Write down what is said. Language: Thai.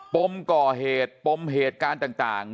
ปมก่อเหตุปมเหตุการณ์ต่าง